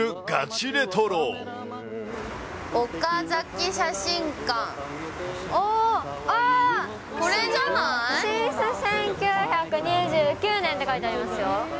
シンス１９２９年って書いてありますよ。